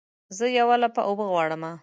زه یوه لپه اوبه غواړمه